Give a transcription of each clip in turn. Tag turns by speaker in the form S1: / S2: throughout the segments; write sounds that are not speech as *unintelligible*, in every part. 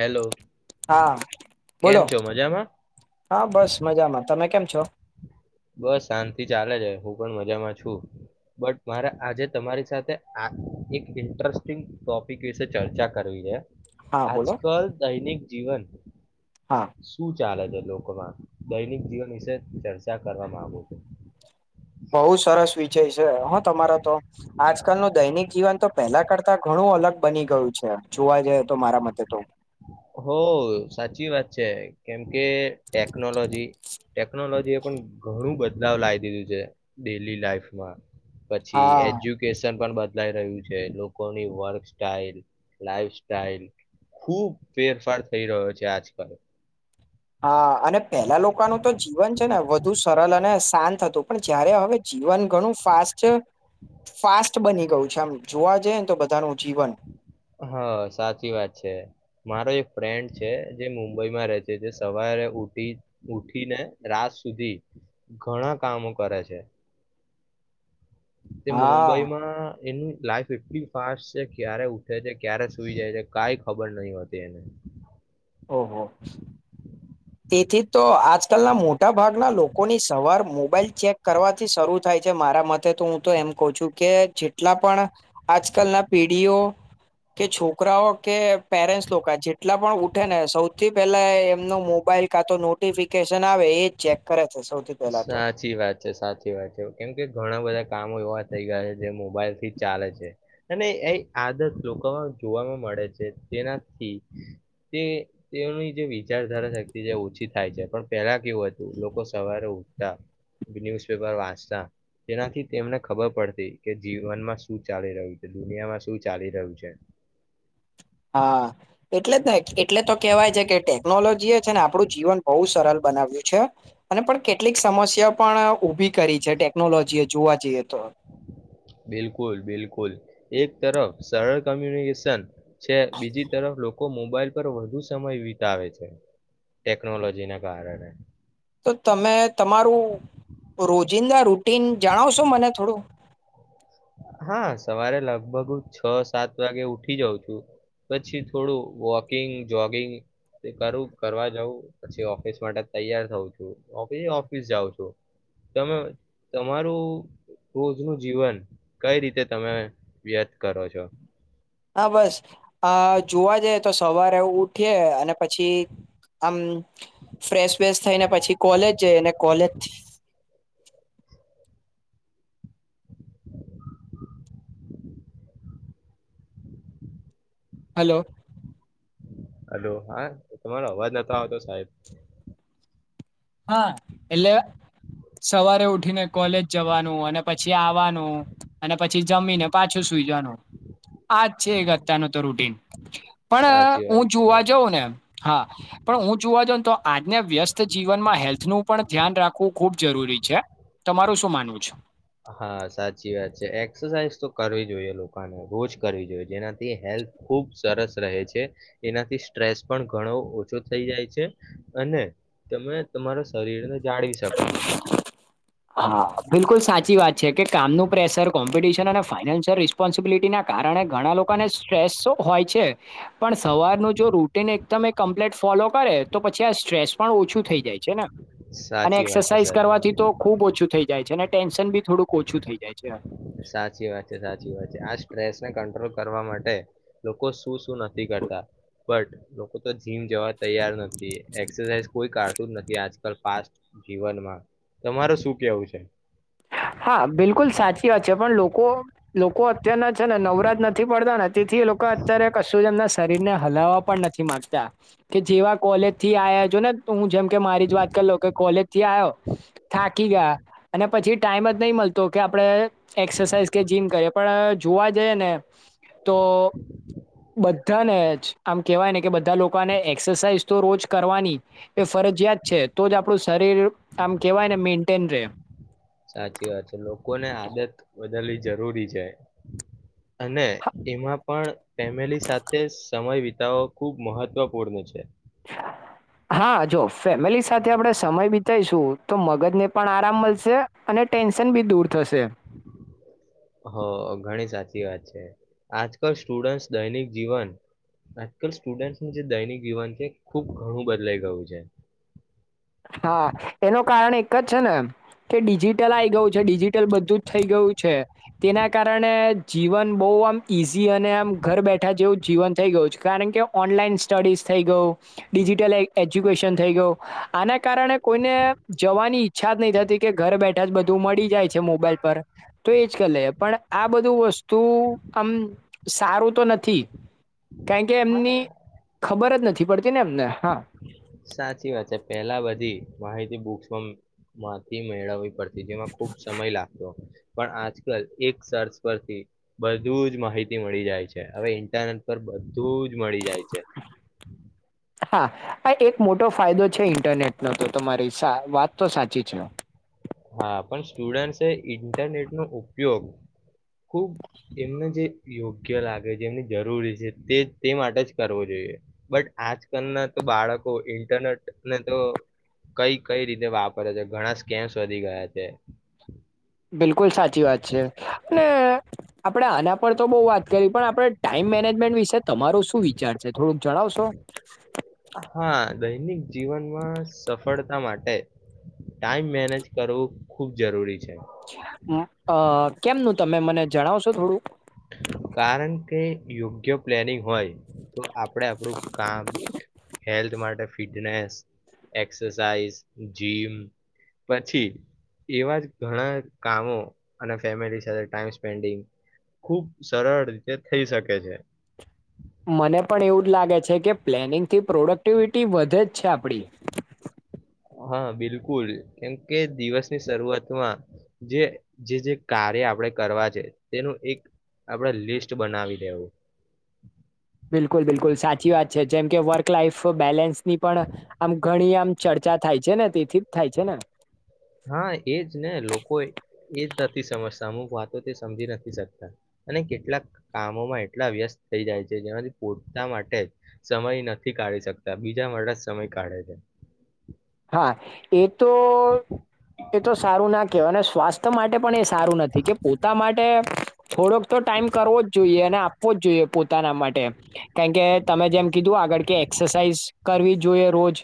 S1: Hello
S2: હા
S1: કેમ
S2: બોલો,
S1: છો મજામાં
S2: હા બસ મજામાં. તમે કેમ છો
S1: બસ શાંતિ ચાલે છે. હું પણ મજામાં છુ. બટ મારે આજે તમારી સાથે આ એક ઇન્ટરેસ્ટિંગ ટોપિક વિશે ચર્ચા કરવી છે.
S2: હા
S1: આજ
S2: બોલો
S1: કલ દૈનિક જીવન
S2: હા
S1: શું છ ચાલે છે લોકોમાં. દૈનિક જીવન વિશે ચ ચા કરવા માંગુ છું.
S2: બહુ સરસ વી જય છે, હા તમારા તો આજકાલનું દૈનિક જીવન તો પહેલા કરતા ઘણું અલગ બની ગયું છે. જોવા જઈએ તો મારા મતે તો
S1: હો સાચી વાત છે. કેમ કે કે ટેકનોલોજી ટેકનોલોજી એ પણ ઘણું બદલાવ લાવી દીધું છે. ડેલી લાઈફમાં પછી
S2: હા
S1: એજ્યુકેશન પણ બ દલાઈ રહ્યું છે. લોકોની વર્ક સાઈલ, લાઈફ સાઈલ, ખુબ ફેરફાર થઈ રહ્યો છે આજકાલ.
S2: હા અને પેલા લોકોનું તો જીવન છે, ને વધુ સરળ અને શાંત હતું. પણ જયારે હવે જીવન ઘણું ફાસ્ટ છે ફાસ્ટ બની ગયું છે. આમ જોવા જઈએ ને તો બધાનું જીવન
S1: હા સાચી વાત છે. મારો એક ફ્રેન્ડ છે, જે મુંબઈમાં રહે છે. જે સવારે ઉઠી ઉઠીને રાત સુધી ઘણા કામો કરે છે. તે
S2: હા
S1: મુંબઈમાં એનું લાઈફ એટલી ફાસ્ટ છે. ક્યારે ઉઠે છે, ક્યારે સુઈ જાય છે, કઈ ખબર નહી હોતી એને.
S2: ઓહો તેથી તો આજકાલના મોટા ભાગના લોકોની સવાર, મોબાઈલ ચેક કરવાથી શરૂ થાય છે. મારા મતે તો હું તો એમ કહ છું કે, જેટલા પણ આજકાલના પીઢીઓ, કે છોકરાઓ, કે પેરેન્ટ્સ લોકો, જેટલા પણ ઉઠે ને સૌથી પહેલા એમનો મો મોબાઈલ કાતો નોટિફિકેશન આવે, એ જ ચેક કરે. છે સૌથી પહેલા તો
S1: સાચી વાત છે. સાચી વાત છે. કેમ કે ઘણા બધા કામો એવા થઈ ગયા છે. જે મોબાઈલ થી ચાલે છે. અને એ આદત લોકોમાં જોવાવામાં મળે છે. તેનાથી તે તેની જે વિચારધારા શક્તિ છે, ઓછી થાય છે. પણ પહેલા કેવું હતું લોકો સવારે ઉઠતા ન્યુઝપેપર વાંચતા તેનાથી તેમને ખબર પડતી કે જીવનમાં શું ચાલી રહ્યું છે દુનિયામાં શું ચાલી રહ્યું છે.
S2: હા એટલે એટલે તો કેહેવાય છે કે ટેકનોલોજી એ છે ને આપણું જીવન બહુ સરળ બનાવ્યું છે અને પણ કેટલીક સમસ્યા પણ ઉઊભી કરી છે ટેકનોલોજી એ જોવા જઈએ. તો
S1: બિલકુલ બિલકુલ. એક તરફ સરળ કમ્યુનિકેશન છે બીજી તરફ લોકો મોબાઈલ પર વધુ સમય વિતાવે છે ટેકનોલોજીને કારણે
S2: તો તમે તમારું રોજિંદા રૂટીન જણાવશો મને થોડું.
S1: હા સવારે લગભગ છ સાત વાગે ઉઠી જાઉં છું પછી થોડું વોકિંગ જોગિંગ કરું કરવા જઉં પછી ઓફિસ માટે તૈયાર થઉ છું ઓફિસ જાઉં છું તમે તમારું રોજનું જીવન કઈ રીતે તમે વ્યથ કરો છો.
S2: હા બસ આ જોવા જઈ તો સવારે એું ઉઠીએ અને પછી આમ ફ્રેશ વેશ થઈને પછી કોલેજ જઈ કોલેજ હલો *unintelligible*
S1: હલો હા એ તમારો અવાજ ન આવતો સાહેબ.
S2: હા એટલે સવારે ઉઠીને કોલેજ જવાનું અને પછી આવવાનું અને પછી જમીને પાછું સુઈ જવાનું આજ છે એક અત્યારનું તો રૂટીન પણ
S1: સાચી
S2: હું
S1: વાત છે
S2: જોવા જાઉં ને હા પણ હું જોવા જ ને તો આજના વ્યસ્ત જીવ જીનમાં હેલ્થ નું પણ ધ્યાન રાખવું ખુબ જરૂરી છે તમારું શું માનવું છે.
S1: હા સાચી વાત છે એક્સરસાઇઝ તો કરવી જોઈએ લોકોને રોજ કરવી જોઈએ જેનાથી હેલ્થ ખુબ સરસ રહે છે એનાથી સ્ટ્રેસ પણ ઘણો ઓછો થઈ જાય છે અને તમે તમારા શરીરને જાળવી શકો છો
S2: હા બિલકુલ સાચી વા *unintelligible* છે કે કામ નનું પ્રેેશર કોમ્પિટિશન અને ફાનાન્શયલ સ્સ્પોન્સબિટીના કારણે ઘણા લોકોને સ્ટ્રેસ હોય છે. પણ સવારનું જો રૂટન એકદમ કમ્પ્લીટ ફોલો કરે તો પછી આ સ્ટ્રેસ પણ ઓછું થઈ જાય છે ને અને
S1: સાચી વાત છે
S2: એક્સરસાઇઝ
S1: સાચી
S2: કરવાથી તો ખુબ ઓછું થઇ જ જાય છે અને ટેન્શન બી થોડું ઓછું થઈ જાય છે.
S1: સાચી વાત છે સાચી વાત છે આ સ્ટ્રેસ ને કંટ્રોલ કરવા માટે લોકો શું શું નથી કરતા બટ લોકો તો જીમ જવા તૈયાર નથી એક્સરસાઇઝ કોઈ કરતું જ નથી આજકાલ પા જીવનમાં તમાર શું કેવું છે.
S2: હા બિલકુલ સાચી વાત છે પણ લોકો લોકો લોકો અત્યારના છે ને નવરાત નથી પડતા ને થી લોકો અત્યારે કશુ શરીર ને હલાવા પણ નથી માંગતા કે જેવા કોલેજ થી આવ્યા છો ને હું જેમ કે મારી જ વાત કરીલો કે કોલેજ થી આવ્યો થાકી ગયા અને પછી ટાઈમ જ નહી મળતો કે આપડણે એક્સરસાઇઝ કે જીમ કરીએ પણ જોવા જઈએ ને તો બધાને જ આમ કહેવાય ને કે બધા લોકોને એક્સરસાાઈઝ તો રોજ કરવાની એ ફરજિયાત છે તો જ આપણું શરીર આમ કહેવાય ને મેન્ટેન રહે.
S1: સાચી વાત છે લોકોને આદત વધદલવી જરૂરી છે અને એમાં પણ ફેમિલી સાથે સમય વિ ઓ ખૂબ મહત્વપૂર્ણ છે.
S2: હા જો ફેમિલી સાથે આપણે સમય બિતાઈશું તો મગજને પણ આરામ મળશે અને ટેન્શન બી દૂર થશે.
S1: હ ઘણી સાચી વાત છે આજકાલ સ્ટુડન્ટસ દૈનિક જીવન આજકાલ સ્ટુડન્ટનું જે દૈનિક જીવન છે ખુબ ઘણું બદલાઈ ગયું છે.
S2: હા એનો કારણ એક જ છે ને કે ડિજિટલ આ ગયું છે ડિજિટલ બધું જ થઈ ગયું છે તેના કારણે જીવન બહુ આમ ઈઝી અને આમ ઘર બેઠા જેવું જીવન થઈ ગયું છે કારણ કે ઓનલાઈન સ્ટડીઝ થઈ ગયું ડિજિટલ એજ્યુકેશન થઈ ગયું આના કારણે કોઈને જવાની ઈચ્છા જ નહી થતી કે ઘરે બેઠા જ બધું મળી જાય છે મોબાઈલ પર તો એજ કર લે પણ આ બધું વસ્તુ આમ સારું તો નથી કારણ કે
S1: હા
S2: એમની ખબર જ નથી પડતી ને એમને હા
S1: સાચી વાત છે પેલા બધી માહિતી બુક્સમાં માંથી મેળવવી પડતી જેમાં ખુબ સમય લાગતો પણ આજકાલ એક સર્ચ પરથી બધું જ માહિતી મળી જાય છે હવે ઇન્ટરનેટ પર તું જ મળી જાય છે
S2: હા આ એક મોટો ફાયદો છે ઇન્ટરનેટનો તો તમારી વાત તો સાચી જ ન
S1: હા પણ સ્ટુડન્ટસે એ ઇન્ટરનેટ નો ઉપયોગ ખુબ એમને જે યોગ્ય લાગે જેમની જરૂરી છે તે તે માટે જ કરવો જોઈએ બટ આજકાલના તો બાળકો ઇન્ટરનેટને તો કઈ કઈ રીતે વાપરે છે ઘણા સ્કેમ્સ વધધી ગયા છે
S2: બિલકુલ સાચી વાત છે અને આપણે આના પર તો બહુ વાત કરી પણ આપણે ટાઈમ મેનેજમેન્ટ વિશે તમારોું શું વિચાર છે થોડુંક જણાવશો
S1: હા દૈનિક જીવનમાં સફળતા માટે ટાઈમ મેનેજ કરવું ખૂબ જરૂરી છે
S2: અ કેમનું તમે મને જણાવશો થોડું
S1: કારણ કે યોગ્ય પ્લેનિંગ હોય તો આપણે આપણું કામ હેલ્થ માટે ફિટનેસ એક્સરસાઇઝ જીમ પછી એવા જ ઘણા કામો અને ફેમિલી સાથે ટાઈમ સ્પેન્ડ ખુબ સરળ રીતે થઈ શકે છે
S2: મને પણ એવું જ લાગે છે કે પ્લેનિંગથી પ્રોડક્ટિવિટી વધે જ છે આપણી
S1: હા બિલકુલ કેમકે દિવસની શરૂઆતમાં જે જે કાર્ય આપડે કરવા છે તેનું એક આપડ લિસ્ટ બનાવી દેવું
S2: બિલકુલ બિલકુલ સાચી વાત છે જેમ કે વર્ક લાઈફ બેલેન્સની પણ આમ ઘણી આમ ચર્ચા થાય છે ને તેથી જ થાય છે ને
S1: હા એજ ને લોકો એ જ નથી સમજતા અમુક વાતો તે સમજી નથી શકતા અને કેટલાક કામોમાં એટલા વ્યસ્ત થઈ જાય છે જેમાંથી પોતા માટે સમય નથી કાઢી શકતા બીજા માટે જ સમય કાઢે છે
S2: *inaudible* તો એ તો સારું ના કહેય અને સ્વાસ્થ્ય માટે પણ એ સારું નથી કે પોતા માટે થોડોક તો ટાઈમ કરવો જ જોઈએ અને વો જ જોઈએ પોતાના માટે કારણ કે તમે જેમ કીધું આગળ કે એક એક્સરસાઇઝ કરવી જોઈએ રોજ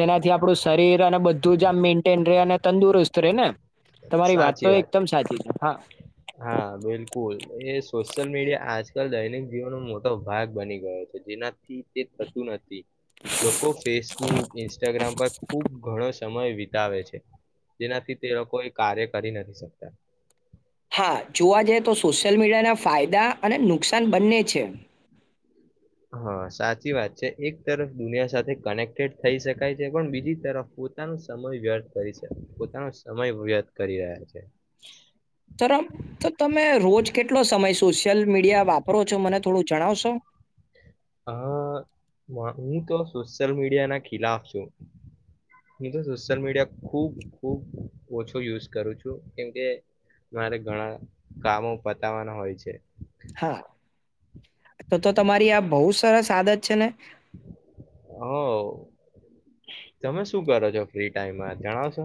S2: જેનાથી આપ આપણું શરીર અને બધું જ આમ મેન્ટેન રહે અને તંદુરસ્ત રહે ને તમારી વાત તો એકદમ સાચી છે હા
S1: હા બિલકુલ એ સોશિયલ મીડિયા આજકાલ દૈનિક જીવનનો મોટો ભાગ બની ગયો છે જેનાથી તે થતું નથી લોકો ફેસબુક ઇન્સ્ટાગ્રામ પર ખુબ ઘણો સમય આવે છે જેનાથી તે લોકો કાર્ય કરી નથી શકતા
S2: હા જોવા જઈ તો સોશિયલ મીડિયાના ફાયદા અને નુકસાન બંને છે
S1: હા સાચી વાત છે એક તરફ દુનિયા સાથે કનેક્ટેડ થઈ શકાય છે પણ બીજી તરફ પોતાનો સમય વ્યર્થ કરી પોતાનો સમય વ્યર્થ કરી રહ્યા છે
S2: ત તો તમે રોજ કેટલો સમય સોશિયલ મીડિયા વાપરો છો મને થોડું જણાવશો
S1: હ હું તો સોશિયલ મીડિયા ના ખિલાફ છું હું તો સોશિયલ મીડિયા ખુબ ખૂબ ઓછો યુઝ કરું છું કેમકે મારે ઘણા કામો પતાવાના હોય છે
S2: હા તો તો તમારી આ બહુ સરસ આદત છે ને
S1: હ તમે શું કરો છો ફ્રી ટાઈમમાં જણાવ છો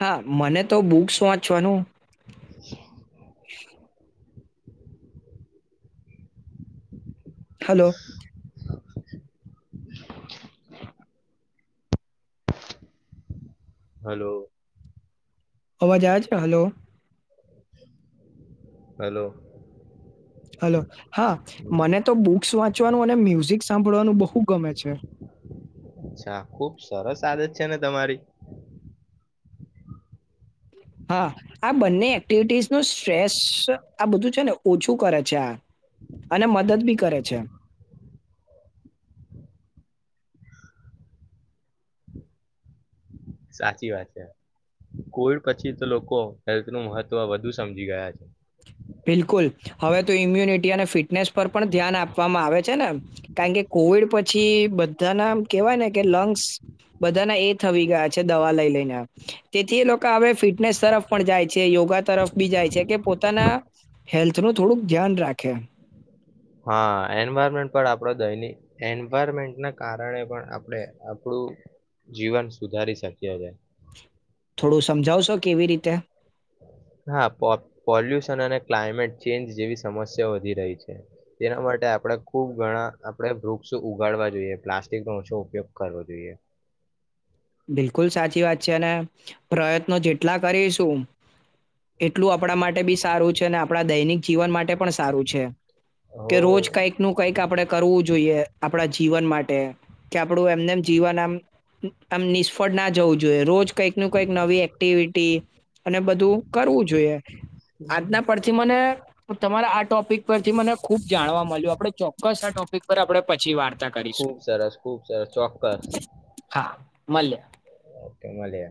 S2: હા, મને તો બુક્સ વાંચવાનું
S1: *unintelligible*
S2: હલો.
S1: *unintelligible* હલો.
S2: અવાજ આવે છે, હલો.
S1: હલો.
S2: હલો. હા, મને તો બુક્સ વાંચવાનું અને મ્યુઝિક સાંભળવાનું બહુ ગમે છે.
S1: અચ્છા ખુબ સરસ આદત છે ને તમારી.
S2: હા, આ બંને એક્ટિવિટીઝનુ સ્ટ્રેસ આ બધું છે ને ઓછું કરે છે આ અને મદદ બી કરે છે.
S1: સાચી વાત છે, કોવિડ પછી તો લોકો હેલ્થનું મહત્વ વધુ સમજી ગયા છે.
S2: બિલકુલ હવે તો ઈમ્યુનિટી અને ફિટનેસ પર પણ ધ્યાન આપવામાં આવે છે ને કારણ કે કોવિડ પછી બધાના કેહેવાય ને કે લંગ્સ બધાના એ થઈ ગયા છે દવા લઈ લઈને તેથી એ લોકા હવે ફિટનેસ તરફ પણ જાય છે યોગા તરફ બી જાય છે કે પોતાના હેલ્થનું થોડુંક ધ્યાન રાખે.
S1: હા, એન્વાયરમેન્ટ પણ આપડો દૈનિ એન્વાયરમેન્ટના કારણે પણ આપડે આપડુ જીવન સુધારી શકીએ છે.
S2: થોડું સમજાવશો કેવી રીતે.
S1: હા, પો પોલ્યુશન અને ક્લાયમેટ ચેન્જ જેવી સમસ્યાઓ વધી રહી છે, તેના માટે આપડે ખુબ ઘણા આપડે વૃક્ષો ઉગાડવા જોઈએ, પ્લાસ્ટિકનો ઓછો ઉપયોગ કરવો જોઈએ.
S2: બિલકુલ સાચી વાત છે, અને પ્રયત્નો જેટલા કરીશું એટલું આપણા માટે બી સારું છેને, આપણા દૈનિક જીવન માટે પણ સારું છે
S1: હો
S2: કે રોજ કંઈક નુ કંઈક આપણે કરવું જોઈએ, આપણા જીવન માટે કે આપણું એમનેમ જીવન આમ આમ નિષ્ફળ ના જવું જોઈએ, રોજ કંઈક નુ કઈક નવી એક્ટિવિટી અને બધું કરવું જોઈએ, આજના પરથી મને તમારા આટ ટોપિક પરથી મને ખૂબ જાણવા મળ્યું આપણે ચોક્કસ આ ટોપિક પર આપણે પછી વાર્તા
S1: ખુબ
S2: કરીશું
S1: સરસ ખુબ સરસ ચોક્કસ
S2: મલીએ.
S1: ઓકે મળીએ